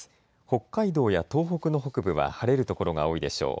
北海道や東北の北部は晴れる所が多いでしょう。